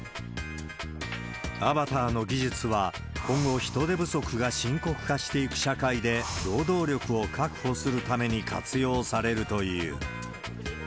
アバターの技術は、今後、人手不足が深刻化していく社会で、労働力を確保するために活用されるという。